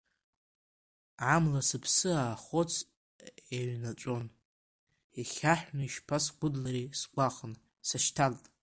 Амла сыԥсы ахәыц еиҩнаҵәон, ихьаҳәны ишԥасгәыдлари сгәахәын, сашьҭалт.